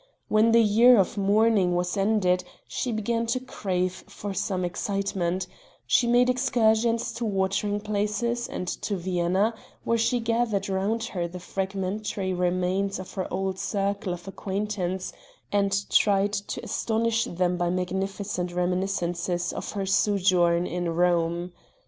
When the year of mourning was ended she began to crave for some excitement; she made excursions to watering places, and to Vienna, where she gathered round her the fragmentary remains of her old circle of acquaintance and tried to astonish them by magnificent reminiscences of her sojourn in Rome.